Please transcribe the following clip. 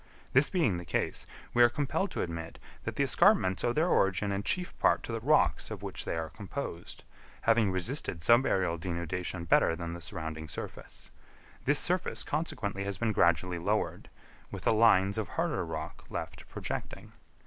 This being the case, we are compelled to admit that the escarpments owe their origin in chief part to the rocks of which they are composed, having resisted subaërial denudation better than the surrounding surface; this surface consequently has been gradually lowered, with the lines of harder rock left projecting.